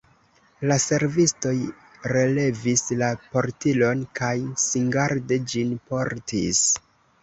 La servistoj relevis la portilon kaj singarde ĝin portis.